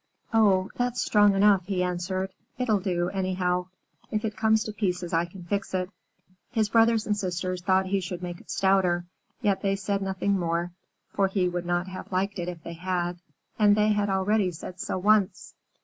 "Oh, that's strong enough," he answered. "It'll do, anyhow. If it comes to pieces I can fix it." His brothers and sisters thought he should make it stouter, yet they said nothing more, for he would not have liked it if they had; and they had already said so once.